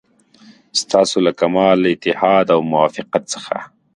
ستاسو له کمال اتحاد او موافقت څخه.